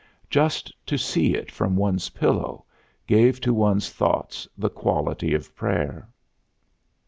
Just to see it from one's pillow gave to one's thoughts the quality of prayer.